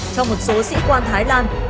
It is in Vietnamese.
cho một số sĩ quan thái lan